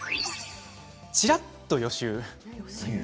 ちらっと予習です。